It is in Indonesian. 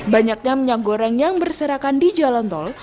banyaknya minyak goreng yang berserakan di jalan tol